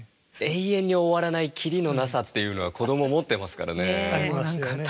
延々に終わらない切りのなさっていうのは子ども持ってますからね。ありますよね。